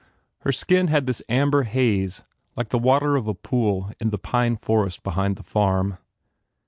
Her skin had this amber haze like the water of a pool in the pine forest behind the farm.